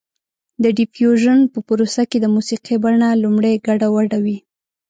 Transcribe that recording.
د ډیفیوژن په پروسه کې د موسیقۍ بڼه لومړی ګډه وډه وي